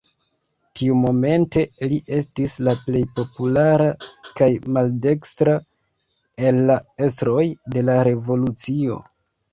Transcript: Tiumomente li estis la plej populara kaj maldekstra el la estroj de la revolucio.